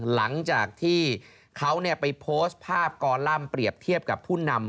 หลังจากที่เขาไปโพสต์ภาพกอลัมป์เปรียบเทียบกับผู้นำ